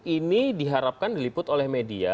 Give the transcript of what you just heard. ini diharapkan diliput oleh media